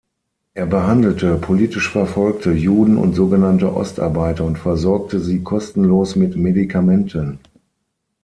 Er behandelte politisch Verfolgte, Juden und sogenannte Ostarbeiter und versorgte sie kostenlos mit Medikamenten.